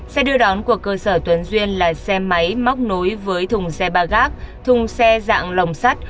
xe đưa đón của cơ sở tuấn duyên là xe máy móc nối với thùng xe ba gác thùng xe dạng lồng sắt